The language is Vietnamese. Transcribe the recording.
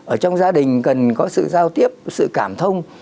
ở trong gia đình cần có sự giao tiếp sự cảm thông